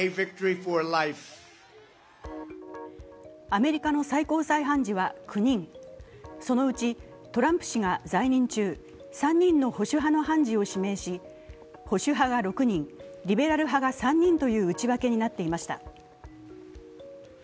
アメリカの最高裁判事は９人そのうちトランプ氏が在任中３人の保守派の判事を指名し保守派が６人、リベラル派が３人という内訳になっていました。